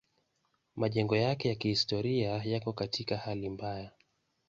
Majengo yake ya kihistoria yako katika hali mbaya.